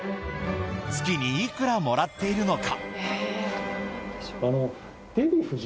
月にいくら、もらっているのか。